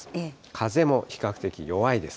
風も比較的弱いです。